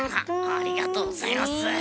ありがとうございます。